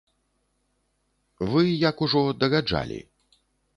Вы як ужо дагаджалі.